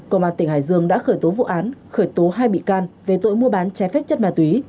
cộng bản tỉnh hải dương đã khởi tố vụ án khởi tố hai bị can về tội mua bán chai phép chất ma túy